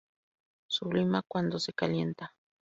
Sublima cuando se calienta.